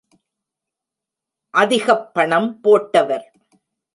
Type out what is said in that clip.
அதிகப் பணம் போட்டவர்.